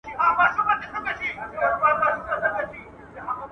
ته ولي ښوونځی ته ځې!.